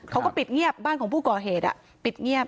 เขาก็ปิดเงียบบ้านของผู้ก่อเหตุปิดเงียบ